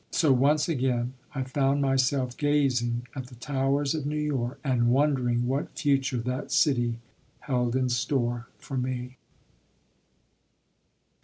So once again I found myself gazing at the towers of New York and wondering what future that city held in store for me.